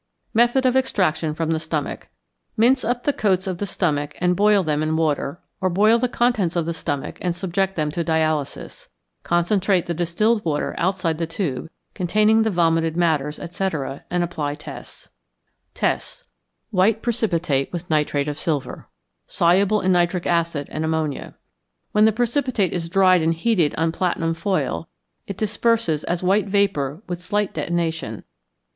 Method of Extraction from the Stomach. Mince up the coats of the stomach and boil them in water, or boil the contents of the stomach and subject them to dialysis. Concentrate the distilled water outside the tube containing the vomited matters, etc., and apply tests. Tests. White precipitate with nitrate of silver, soluble in nitric acid and ammonia. When the precipitate is dried and heated on platinum foil, it disperses as white vapour with slight detonation.